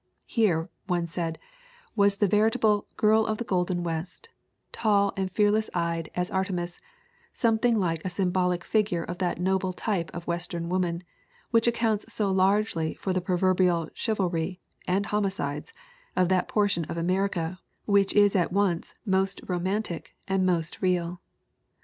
Here, one said, was the veritable 'Girl of the Golden West/ tall and fearless eyed as Artemis; something like a sym bolic figure of that noble type of Western woman, which accounts so largely for the proverbial chivalry and homicides of that portion of America which is at once most romantic and most real.